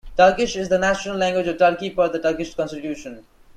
Turkish is the national language of Turkey per the Turkish constitution.